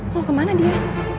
mau kemana dia